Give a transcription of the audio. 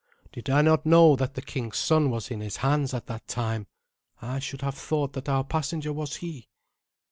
Did I not know that the king's son was in his hands at that time, I should have thought that our passenger was he.